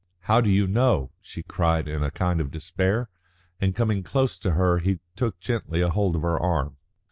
"How do you know?" she cried in a kind of despair, and coming close to her he took gently hold of her arm.